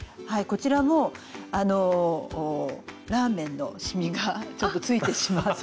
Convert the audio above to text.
こちらもあのラーメンのしみがちょっとついてしまって。